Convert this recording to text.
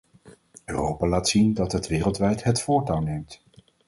Europa laat zien dat het wereldwijd het voortouw neemt.